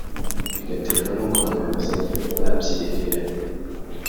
bigaterwa nuko abayobozi babyihereranye